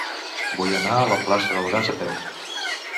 Vull anar a la plaça del Gas a peu.